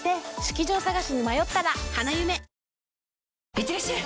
いってらっしゃい！